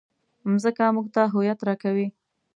مځکه موږ ته هویت راکوي.